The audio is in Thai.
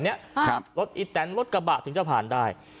เนี้ยครับรถอิดแต่นรถกระบะถึงจะผ่านได้